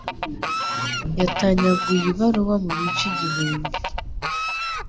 Yatanyaguye ibaruwa mo ibice igihumbi.